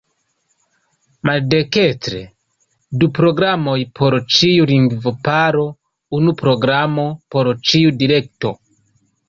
Maldekstre: Du programoj por ĉiu lingvo-paro, unu programo por ĉiu direkto.